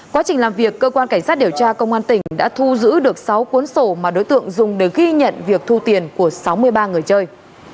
quá trình làm việc cơ quan cảnh sát điều tra công an tỉnh đã thu giữ được sáu cuốn sổ mà đối tượng dùng để ghi nhận việc thu tiền của sáu mươi ba người chơi